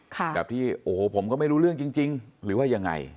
แบบที่โอ้โหผมก็ไม่รู้เรื่องจริงหรือว่ายังไง